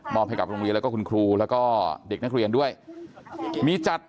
ให้กับโรงเรียนแล้วก็คุณครูแล้วก็เด็กนักเรียนด้วยมีจัด